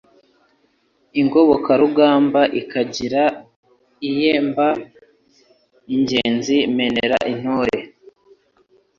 Ingobokarugamba akagira iyeMba ingenzi menera intore